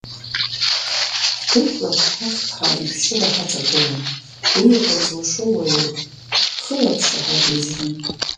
Ҳдәықулап ҳахуԥҳа ишәшьыра ҳаҵагыланы, уи акыр зылшо уаҩуп, хылаԥшра ҳагижьрым!